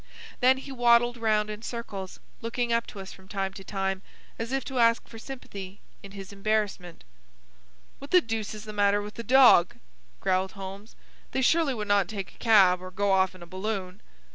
Then he waddled round in circles, looking up to us from time to time, as if to ask for sympathy in his embarrassment. "What the deuce is the matter with the dog?" growled Holmes. "They surely would not take a cab, or go off in a balloon."